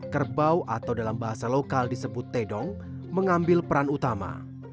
kerbau atau dalam bahasa lokal disebut tedong mengambil peran utama